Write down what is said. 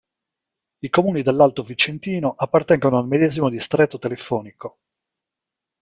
I comuni dell'Alto vicentino appartengono al medesimo distretto telefonico.